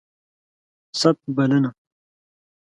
ست ... بلنه